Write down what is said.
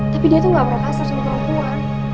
tapi dia tuh gak pernah kasar sama perempuan